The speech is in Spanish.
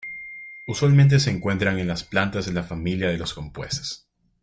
Usualmente se encuentran en las plantas de la familia de las compuestas.